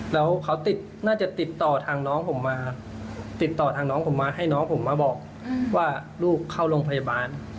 แล้วเขาติดน่าจะติดต่อทางน้องผมมาติดต่อทางน้องผมมาให้น้องผมมาบอกว่าลูกเข้าโรงพยาบาล